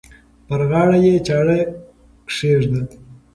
پر غاړه یې چاړه کښېږده.